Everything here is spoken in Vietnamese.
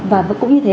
và cũng như thế